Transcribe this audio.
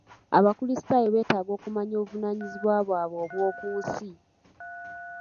Abakulisitaayo beetaaga okumanya obuvunaanyizibwa bwabwe obwo ku nsi.